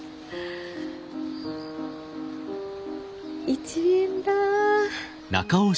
１円だ。